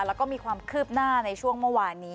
แล้วก็มีความคืบหน้าในช่วงเมื่อวานนี้